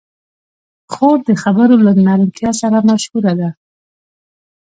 خور د خبرو له نرمتیا سره مشهوره ده.